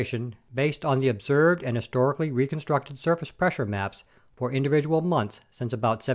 APPENDIX A 149 based on the observed and historically reconstructed surface pressure maps for individual months since about 1750.